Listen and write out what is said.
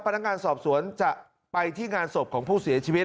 พนักงานสอบสวนจะไปที่งานศพของผู้เสียชีวิต